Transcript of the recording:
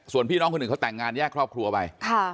ส่วนพี่น้องคนอื่นเขาแต่งงานแยกครอบครัวไป